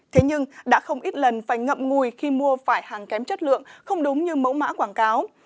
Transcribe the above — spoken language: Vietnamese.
thế nhưng đã không ít lần phải ngậm ngùi khi mua phải hàng kém chất lượng không đúng như mẫu mã quảng cáo